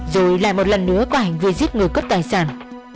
rồi lại một lần nữa có hành vi giết người cất tài sản